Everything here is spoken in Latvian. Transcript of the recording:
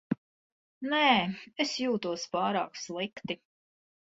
Nē, es jūtos pārāk slikti.